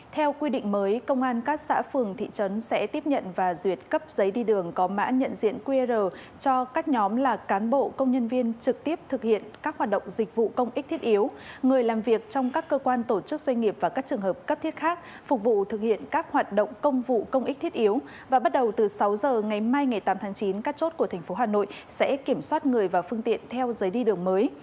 theo quy định mới công an các xã phường thị trấn sẽ tiếp nhận và duyệt cấp giấy đi đường có mã nhận diện qr cho các nhóm là cán bộ công nhân viên trực tiếp thực hiện các hoạt động dịch vụ công ích thiết yếu người làm việc trong các cơ quan tổ chức doanh nghiệp và các trường hợp cấp thiết khác phục vụ thực hiện các hoạt động công vụ công ích thiết yếu và bắt đầu từ sáu giờ ngày mai ngày tám tháng chín các chốt của tp hà nội sẽ kiểm soát người và phương tiện theo giấy đi đường mới